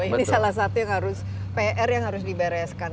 ini salah satu yang harus pr yang harus dibereskan